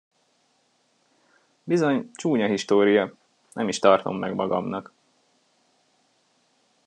Bizony, csúnya história, nem is tartom meg magamnak.